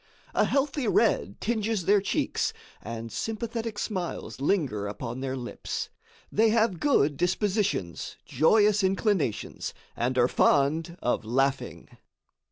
A healthy red tinges their cheeks and sympathetic smiles linger upon their lips. They have good dispositions, joyous inclinations, and are fond of laughing.